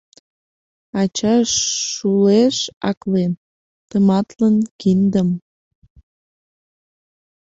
Ача шулеш аклен, тыматлын киндым.